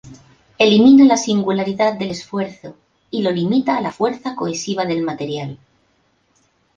Elimina la singularidad del esfuerzo y lo limita a la fuerza cohesiva del material.